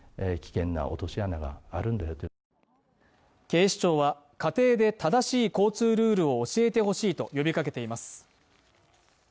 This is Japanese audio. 警視庁は家庭で正しい交通ルールを教えてほしいと呼びかけています